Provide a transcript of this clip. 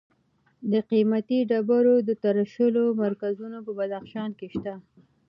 د قیمتي ډبرو د تراشلو مرکزونه په بدخشان کې شته.